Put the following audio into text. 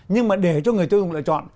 nhưng mà để cho người tiêu dùng lựa chọn